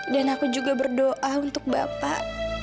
dan aku juga berdoa untuk bapak